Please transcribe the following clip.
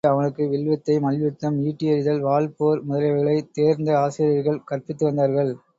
இளமையிலிருந்தே அவனுக்கு வில்வித்தை மல்யுத்தம், ஈட்டி எறிதல், வாள் போர் முதலியவைகளைத் தேர்ந்த ஆசிரியர்கள் கற்பித்து வந்தார்கள்.